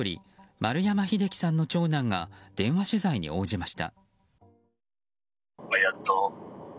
圓山秀樹さんの長男が電話取材に応じました。